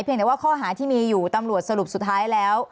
ว่าข้อหาที่มีอยู่ตำรวจสรุปสุดท้ายแล้ว